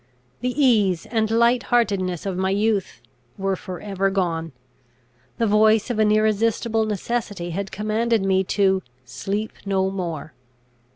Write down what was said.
The ease and light heartedness of my youth were for ever gone. The voice of an irresistible necessity had commanded me to "sleep no more."